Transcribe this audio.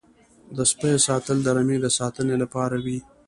د سپیو ساتل د رمې د ساتنې لپاره وي.